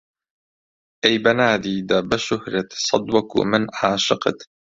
ئەی بە نادیدە، بە شوهرەت سەد وەکوو من عاشقت